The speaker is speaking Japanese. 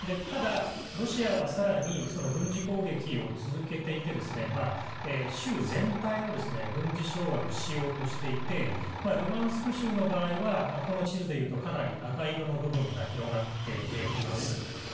ただ、ロシアは更にその軍事攻撃を続けていて州全体を軍事掌握しようとしていてルガンスク州の場合はこの地図でいうとかなり赤色の部分が広がっています。